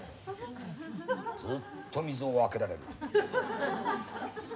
ずっと水をあけられる。